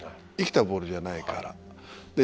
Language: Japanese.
生きたボールじゃないから。